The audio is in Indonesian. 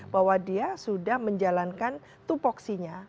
bahwa dia sudah menjalankan tupoksinya